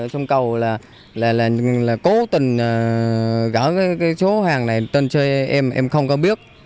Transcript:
trong cầu là cố tình gỡ cái chỗ hàng này tân chơi em em không có biết